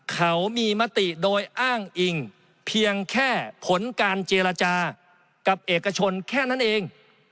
เขามีมติโดยอ้างอิงเพียงแค่ผลการเจรจากับเอกชนแค่นั้นเอง